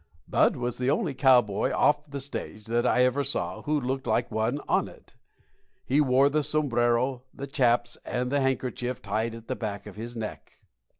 Bud was the only cowboy off the stage that I ever saw who looked like one on it. He wore the sombrero, the chaps, and the handkerchief tied at the back of his neck.